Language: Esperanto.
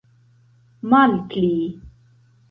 malpli